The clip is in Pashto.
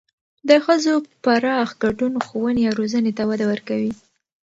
د ښځو پراخ ګډون ښوونې او روزنې ته وده ورکوي.